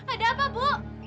ada apa bu